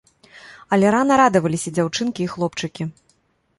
Але рана радаваліся дзяўчынкі і хлопчыкі.